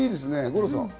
五郎さんは？